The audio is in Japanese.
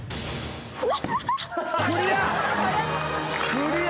クリア。